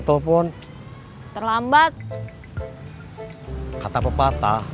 telepon terlambat kata pepatah